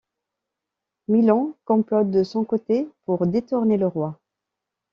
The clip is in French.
Milon complote de son côté pour détrôner le roi.